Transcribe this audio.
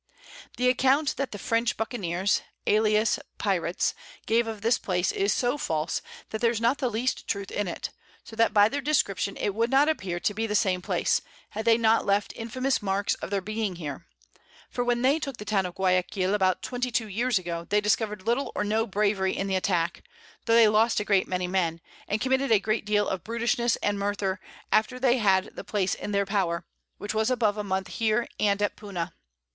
The Account that the French Buccaneers, alias Pirates, gave of this Place, is so false, that there's not the least Truth in it; so that by their Description it would not appear to be the same Place, had they not left infamous Marks of their being here: For when they took the Town of Guiaquil about 22 Years ago, they discover'd little or no Bravery in the Attack (tho' they lost a great many Men) and committed a great deal of Brutishness and Murther after they had the Place in their Power, which was above a Month here and at Puna.